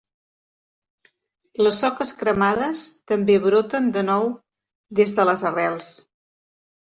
Les soques cremades també broten de nou des de les arrels.